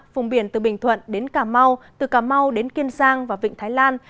vùng biển từ bình thuận đến cà mau từ cà mau đến kiên giang và vịnh thái lan